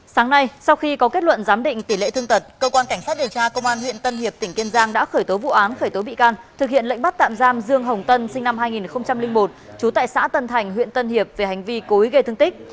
sáng nay sau khi có kết luận giám định tỷ lệ thương tật cơ quan cảnh sát điều tra công an huyện tân hiệp tỉnh kiên giang đã khởi tố vụ án khởi tố bị can thực hiện lệnh bắt tạm giam dương hồng tân sinh năm hai nghìn một trú tại xã tân thành huyện tân hiệp về hành vi cố ý gây thương tích